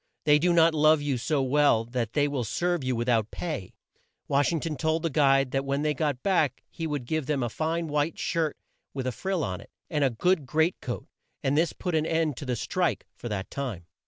They do not love you so well that they will serve you with out pay." Wash ing ton told the guide that when they got back he would give him a fine white shirt with a frill on it, and a good great coat, and this put an end to the "strike" for that time.